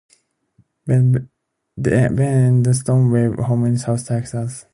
Benben and Stowe have a home in South Texas.